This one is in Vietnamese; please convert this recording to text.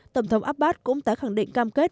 tổng thống abbas cũng tái khẳng định cam kết